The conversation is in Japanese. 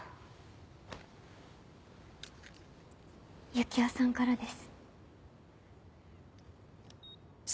雪世さんからです。